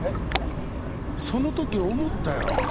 その時思ったよ。